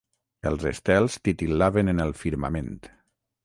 Els estels titil·laven en el firmament.